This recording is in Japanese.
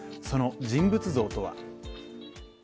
その人物像とは。